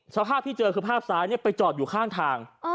สภาพที่เจอคือภาพซ้ายไปจอดอยู่ข้างทาง